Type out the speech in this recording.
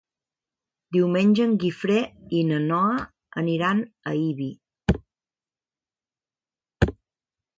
Diumenge en Guifré i na Noa aniran a Ibi.